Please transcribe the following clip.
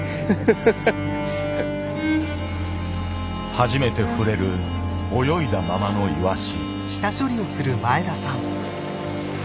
初めて触れる泳いだままのイワシ。